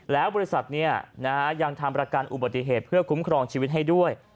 แล้วบริษัทยังทำประกันอุบัติเหตุเพื่อคุ้มครองชีวิตให้ด้วย